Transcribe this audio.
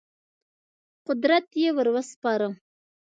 قدرت یې ور وسپاره.